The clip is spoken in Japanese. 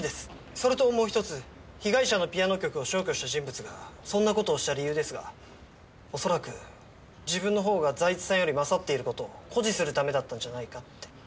それともう１つ被害者のピアノ曲を消去した人物がそんな事をした理由ですが恐らく自分の方が財津さんより勝っている事を誇示するためだったんじゃないかって。